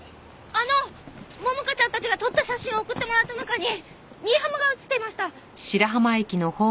あの桃香ちゃんたちが撮った写真を送ってもらった中に新浜が写っていました！